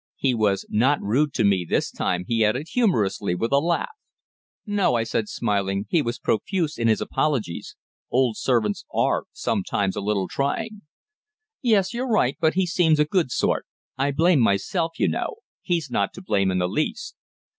He was not rude to me this time," he added humorously, with a laugh. "No," I said, smiling. "He was profuse in his apologies. Old servants are sometimes a little trying." "Yes, you're right. But he seems a good sort. I blame myself, you know. He's not to blame in the least."